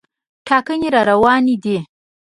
ټاکنې راروانې دي.